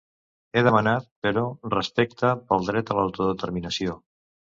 Ha demanat, però, “respecte” pel dret a l’autodeterminació.